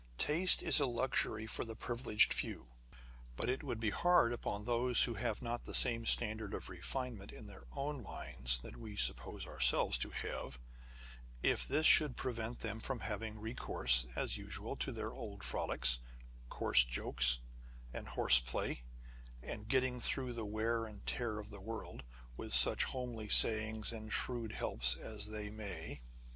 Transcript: Taste is a luxury for the privileged few : but it would be hard upon those who have not the same standard of refinement in their own minds that we suppose ourselves to have, if this should prevent them from having recourse, as usual, to their old frolics, coarse jokes, and horse play, and getting through the wear and tear of the world, with such homely sayings and shrewd helps as they may.